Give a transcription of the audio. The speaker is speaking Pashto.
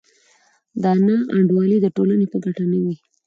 دا نا انډولي د ټولنې په ګټه نه وي.